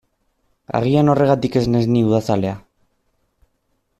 Agian horregatik ez naiz ni udazalea.